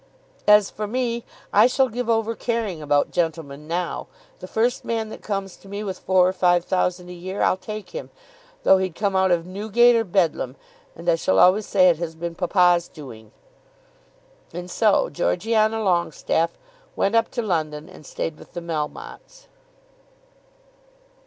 "As for me I shall give over caring about gentlemen now. The first man that comes to me with four or five thousand a year, I'll take him, though he'd come out of Newgate or Bedlam. And I shall always say it has been papa's doing." And so Georgiana Longestaffe went up to London and stayed with the Melmottes.